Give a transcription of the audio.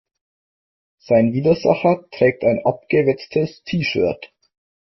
Sein Widersacher trägt ein abgewetztes T-shirt.